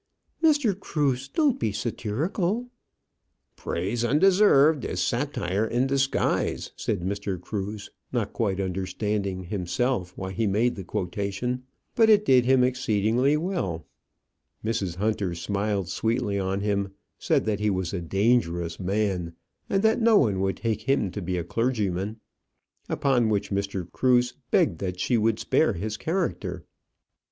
"Mr. Cruse, don't be satirical." "'Praise undeserved is satire in disguise,'" said Mr. Cruse, not quite understanding, himself, why he made the quotation. But it did exceedingly well. Mrs. Hunter smiled sweetly on him, said that he was a dangerous man, and that no one would take him to be a clergyman; upon which Mr. Cruse begged that she would spare his character.